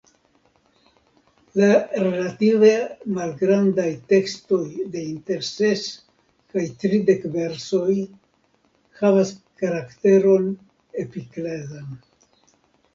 La relative malgrandaj tekstoj de inter ses kaj tridek versoj havas karakteron epiklezan.